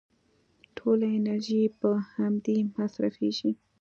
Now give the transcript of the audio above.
ټوله انرژي يې په امدې مصرفېږي.